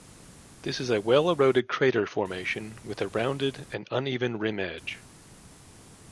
This is a well-eroded crater formation, with a rounded and uneven rim edge.